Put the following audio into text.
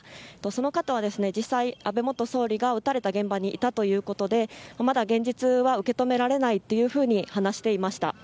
その方は実際、安倍元総理が撃たれた現場にいたということでまだ現実は受け止められないと話をしていました。